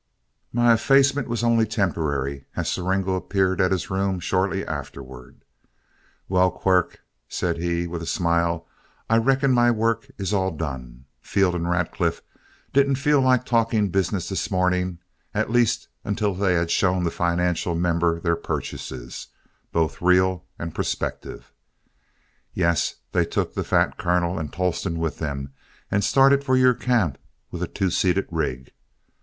My effacement was only temporary, as Siringo appeared at his room shortly afterward. "Well, Quirk," said he, with a smile, "I reckon my work is all done. Field and Radcliff didn't feel like talking business this morning, at least until they had shown the financial member their purchases, both real and prospective. Yes, they took the fat Colonel and Tolleston with them and started for your camp with a two seated rig.